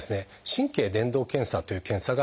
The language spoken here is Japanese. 神経伝導検査という検査があります。